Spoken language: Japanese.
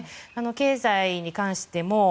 経済に関しても。